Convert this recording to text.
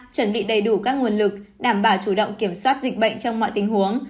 chuẩn bị đầy đủ các nguồn lực đảm bảo chủ động kiểm soát dịch bệnh trong mọi tình huống